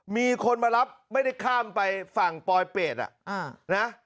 มีคนมารับไม่ได้ข้ามไปฝั่งปลอยเปรตนะ